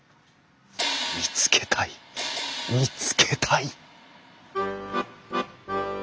見つけたい見つけたい！